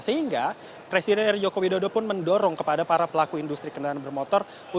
sehingga presiden eri joko widodo pun mendorong kepada para pelaku industri kendaraan bermotor